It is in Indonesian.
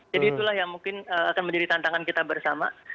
jadi itulah yang mungkin akan menjadi tantangan kita bersama